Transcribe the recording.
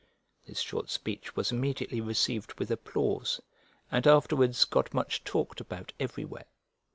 This short speech was immediately received with applause, and afterwards got much talked about everywhere.